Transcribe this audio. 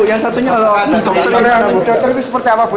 yang satunya kalau ada dokter itu seperti apa bu